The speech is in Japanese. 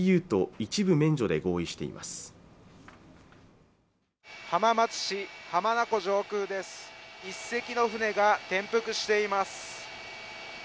１隻の船が転覆しています